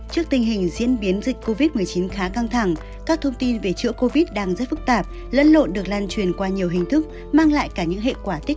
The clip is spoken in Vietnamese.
hãy đăng ký kênh để ủng hộ kênh của chúng mình nhé